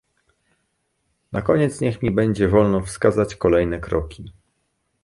Na koniec niech mi będzie wolno wskazać kolejne kroki